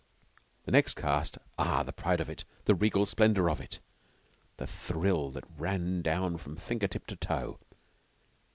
The next cast ah, the pride of it, the regal splendor of it! the thrill that ran down from finger tip to toe!